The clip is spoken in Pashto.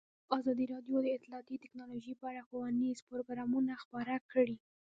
ازادي راډیو د اطلاعاتی تکنالوژي په اړه ښوونیز پروګرامونه خپاره کړي.